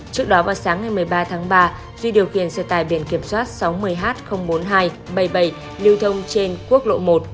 trước đó vào sáng ngày một mươi ba tháng ba duy điều khiển xe tải biển kiểm soát sáu mươi h bốn nghìn hai trăm bảy mươi bảy lưu thông trên quốc lộ một